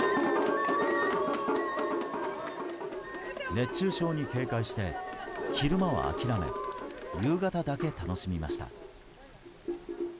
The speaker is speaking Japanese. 熱中症に警戒して、昼間は諦め夕方だけ楽しみました。